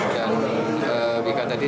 dan wika tadi